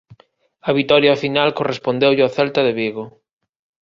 A vitoria final correspondeulle ao Celta de Vigo.